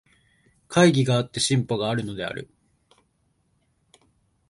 懐疑があって進歩があるのである。